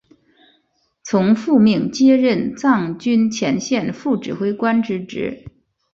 从父命接任藏军前线副指挥官之职。